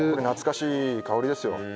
懐かしい香りですよ。